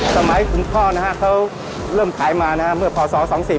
คุณพ่อนะฮะเขาเริ่มขายมานะฮะเมื่อพศ๒๔๔